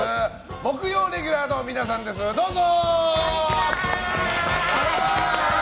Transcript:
木曜レギュラーの皆さんどうぞ。